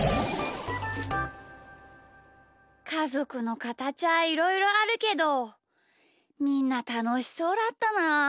かぞくのかたちはいろいろあるけどみんなたのしそうだったなあ。